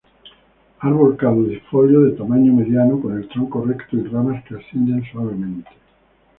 Árbol caducifolio de tamaño mediano, con el tronco recto, y ramas que ascienden suavemente.